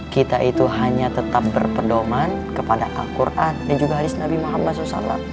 kita itu hanya tetap berpedoman kepada al quran dan juga haris nabi muhammad saw